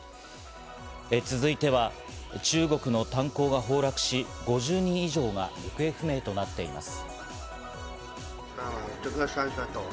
続いては中国の炭鉱が崩落し、５０人以上が行方不明となっています。